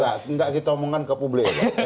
nggak nggak kita omongkan ke publik